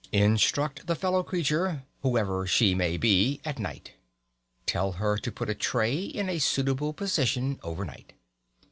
Instruct the fellow creature, whoever she may be, at night. Tell her to put a tray in a suitable position over night.